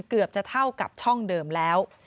เกือบจะเท่ากับช่องเดิมแล้ว